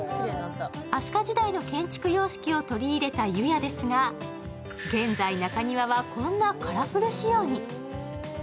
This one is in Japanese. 飛鳥時代の建築様式を取り入れた湯屋ですが、現在、中庭はこんなカラフル仕様に。